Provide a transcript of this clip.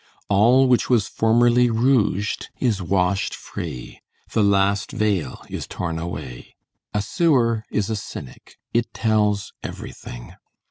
All which was formerly rouged, is washed free. The last veil is torn away. A sewer is a cynic. It tells everything.